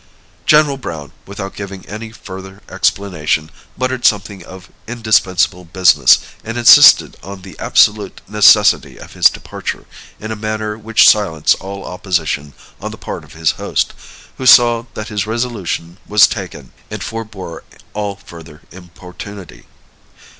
General Browne, without giving any further explanation, muttered something of indispensable business, and insisted on the absolute necessity of his departure in a manner which silenced all opposition on the part of his host, who saw that his resolution was taken, and forbore all further importunity.